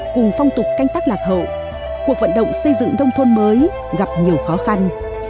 cùng phong tục canh tác lạc hậu cuộc vận động xây dựng nông thôn mới gặp nhiều khó khăn